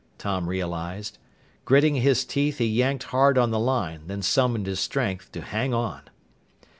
Tom realized. Gritting his teeth, he yanked hard on the line, then summoned his strength to hang on.